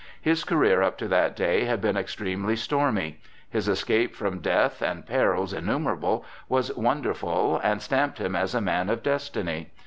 His career up to that day had been extremely stormy; his escape from death and perils innumerable was wonderful and stamped him as a man of destiny.